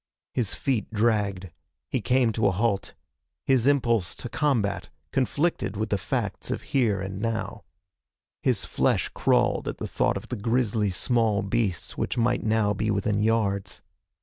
His feet dragged. He came to a halt. His impulse to combat conflicted with the facts of here and now. His flesh crawled at the thought of the grisly small beasts which now might be within yards.